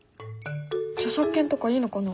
著作権とかいいのかな？